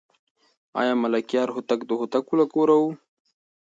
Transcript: آیا ملکیار هوتک د هوتکو له کوره و؟